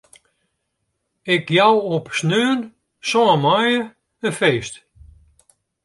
Ik jou op sneon sân maaie in feest.